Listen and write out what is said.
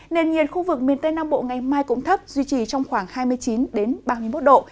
nền nhiệt khu vực miền tây nam bộ ngày mai cũng thấp duy trì trong khoảng hai mươi chín ba mươi một độ